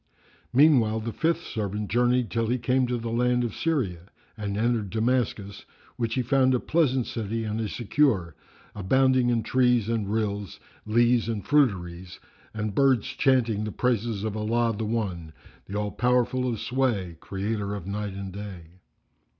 Meanwhile, the fifth servant journeyed till he came to the land of Syria and entered Damascus, which he found a pleasant city and a secure, abounding in trees and rills, leas and fruiteries and birds chanting the praises of Allah the One, the All powerful of sway, Creator of Night and Day.